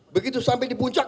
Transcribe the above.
begitu sampai di puncak